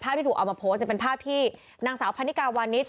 ที่ถูกเอามาโพสต์เป็นภาพที่นางสาวพันนิกาวานิส